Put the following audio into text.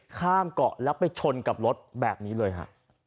ข้ามเกาะแล้วไปชนกับรถแบบนี้เลยฮะ